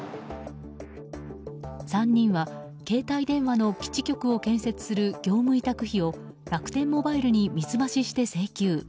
３人は携帯電話の基地局を建設する業務委託費を楽天モバイルに水増しして請求。